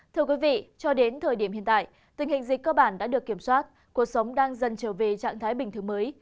thưa quý vị cho đến thời điểm hiện tại tình hình dịch cơ bản đã được kiểm soát cuộc sống đang dần trở về trạng thái bình thường mới